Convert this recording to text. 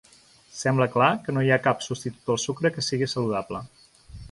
Sembla clar que no hi ha cap substitut del sucre que sigui saludable.